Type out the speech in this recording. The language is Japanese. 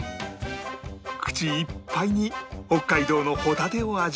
口いっぱいに北海道のホタテを味わえます